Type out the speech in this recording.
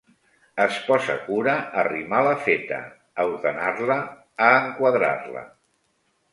Es posa cura a rimar la feta, a ordenar-la, a enquadrar-la.